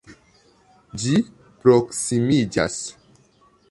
Ĝi proksimiĝas!